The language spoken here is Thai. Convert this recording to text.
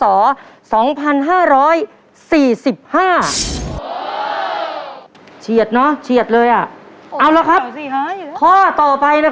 ทาราบังชุดรับแขกเนี่ยออกวางแผงในปีภศ๒๕๔๖ค่ะ